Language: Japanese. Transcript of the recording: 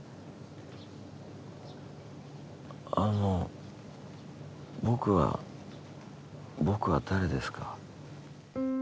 あの僕は僕は誰ですか？